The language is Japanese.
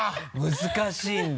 難しいんだ。